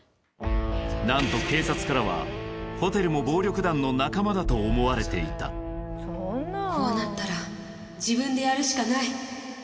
なんと警察からはホテルも暴力団の仲間だと思われていたこうなったら自分でやるしかない